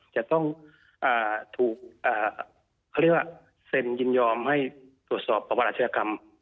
จะต้องถูกเขาเรียกว่าเซ็นยินยอมให้ตรวจสอบประวัติอาชญากรรม